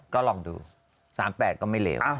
ก็ลองดู๓๘ก็ไม่เลว